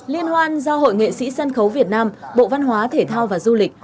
liên hoan do hội nghệ sĩ sân khấu việt nam bộ văn hóa thể thao và du lịch